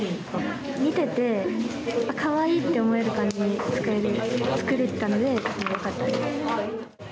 見てて、かわいいと思える感じにつくれたのでよかったです。